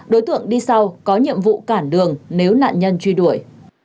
đối tượng đi sau có nhiệm vụ cản đường nếu nạn nhân truy đuổi